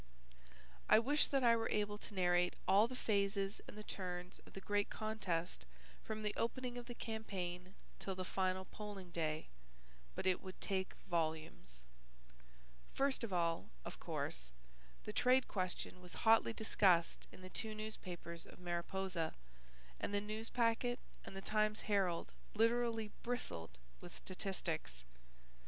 I wish that I were able to narrate all the phases and the turns of the great contest from the opening of the campaign till the final polling day. But it would take volumes. First of all, of course, the trade question was hotly discussed in the two newspapers of Mariposa, and the Newspacket and the Times Herald literally bristled with statistics.